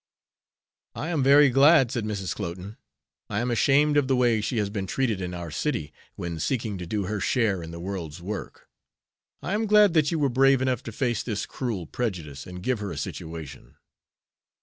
"I am very glad," said Mrs. Cloten. "I am ashamed of the way she has been treated in our city, when seeking to do her share in the world's work. I am glad that you were brave enough to face this cruel prejudice, and give her a situation."